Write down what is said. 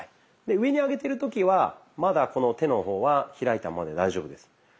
上に上げてる時はまだこの手の方は開いたままで大丈夫です。